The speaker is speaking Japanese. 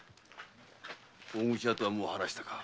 大口屋とはもう話したか？